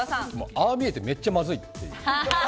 ああ見えて、めっちゃまずいという。